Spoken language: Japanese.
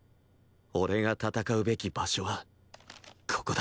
俺が戦うべき場所はここだ